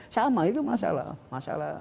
sama itu masalah